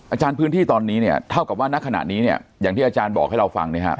อาจารย์พื้นที่ตอนนี้เนี่ยเท่ากับว่าณขณะนี้เนี่ยอย่างที่อาจารย์บอกให้เราฟังนะครับ